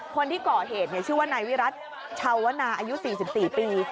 คนที่ก่อเหตุชื่อว่านายวิรัติชาวนาอายุ๔๔ปี